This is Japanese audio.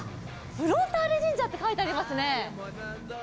フロンターレ神社って書いてありますね！